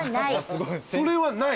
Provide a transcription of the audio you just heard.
それはない？